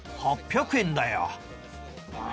８００円だよ。